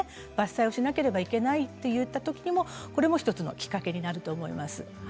伐採をしなければいけないといった時も１つのきっかけになると思います。